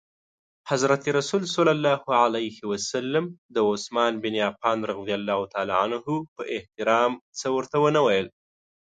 حضرت رسول ص د عثمان بن عفان په احترام څه ورته ونه ویل.